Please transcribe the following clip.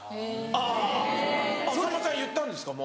あぁさんまさん言ったんですか？